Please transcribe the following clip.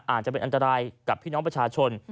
อาจจะเป็นอันตรายกับพี่น้องประชาชน